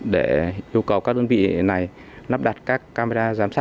để yêu cầu các đơn vị này lắp đặt các camera giám sát